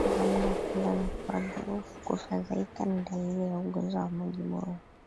Mnyama kukosa hamu ya kula na kufadhaika ni dalili ya ugonjwa wa majimoyo